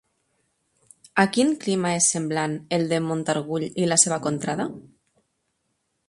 A quin clima és semblant el de Montargull i la seva contrada?